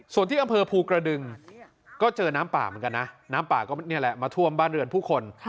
ส่วนที่อำเภอภูกระดึงก็เจอน้ำป่าเหมือนกันนะน้ำป่าก็นี่แหละมาท่วมบ้านเรือนผู้คน